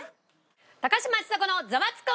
「高嶋ちさ子のザワつく！